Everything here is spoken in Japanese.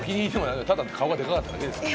ただ顔がでかかっただけですよ。